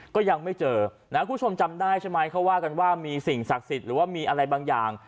ก็ยังไม่เจอนะคุณผู้ชมจำได้ใช่ไหมเขาว่ากันว่ามีสิ่งศักดิ์สิทธิ์หรือว่ามีอะไรบางอย่าง